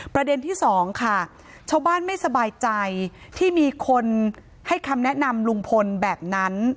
ประเด็นที่สองค่ะชาวบ้านไม่สบายใจที่มีคนให้คำแนะนำลุงพลแบบนั้น